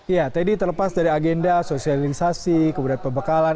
ya tadi terlepas dari agenda sosialisasi kebudayaan pebekalan